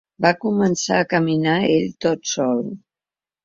Va començar a caminar ell tot sol.